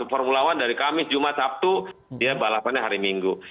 formula one dari kamis jumat sabtu dia balapannya hari minggu